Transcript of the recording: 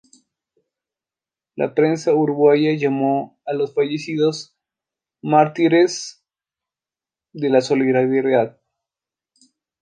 La prensa uruguaya llamó a los fallecidos ""los mártires de la solidaridad"".